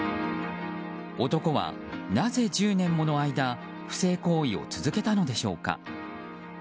男はなぜ１０年もの間不正行為を続けたのでしょうか？